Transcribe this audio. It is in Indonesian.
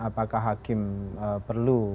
apakah hakim perlu